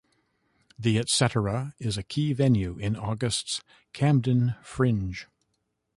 The Etcetera is a key venue in August's Camden Fringe.